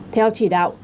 theo chỉ đạo